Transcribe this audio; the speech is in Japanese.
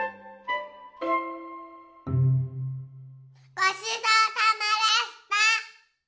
ごちそうさまでした。